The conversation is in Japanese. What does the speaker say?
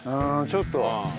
ちょっと。